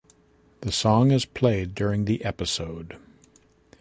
The song is played during the episode.